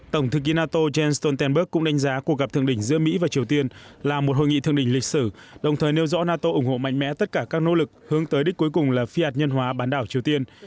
tổng thư ký nato jens stoltenberg cũng đánh giá cuộc gặp thượng đỉnh giữa mỹ và triều tiên là một hội nghị thượng đỉnh lịch sử đồng thời nêu rõ nato ủng hộ mạnh mẽ tất cả các nỗ lực hướng tới đích cuối cùng là phi hạt nhân hóa bán đảo triều tiên